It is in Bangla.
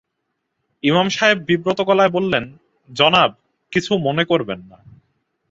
ইমাম সাহেব বিব্রত গলায় বললেন, জনাব, কিছু মনে করবেন না।